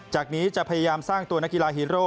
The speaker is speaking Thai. จากนี้จะพยายามสร้างตัวนักกีฬาฮีโร่